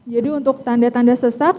jadi untuk tanda tanda sesak